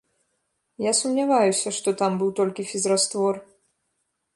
Я сумняваюся, што там быў толькі фізраствор.